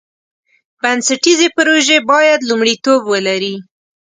بنسټیزې پروژې باید لومړیتوب ولري.